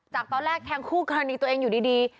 จากตอนแรกแทงคู่กรณีตัวเองอยู่ดี